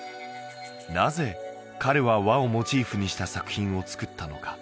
なぜ彼は和をモチーフにした作品を作ったのか？